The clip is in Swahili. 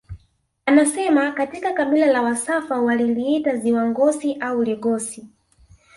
Anasema katika kabila la wasafa waliliita ziwa Ngosi au Ligosi